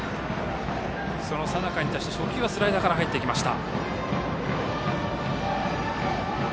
佐仲に対して初球はスライダーから入りました。